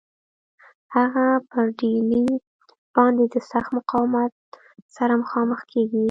هغه پر ډهلي باندي د سخت مقاومت سره مخامخ کیږي.